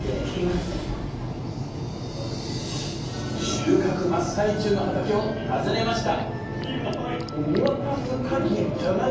収穫真っ最中の畑を訪ねました